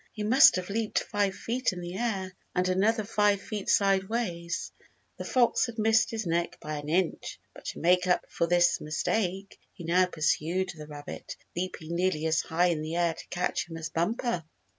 He must have leaped five feet in the air, and another five feet sideways. The fox had missed his neck by an inch, but to make up for this mistake, he now pursued the rabbit, leaping nearly as high in the air to catch him as Bumper.